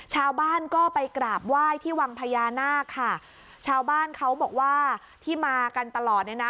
ชาวบ้านก็ไปกราบไหว้ที่วังพญานาคค่ะชาวบ้านเขาบอกว่าที่มากันตลอดเนี่ยนะ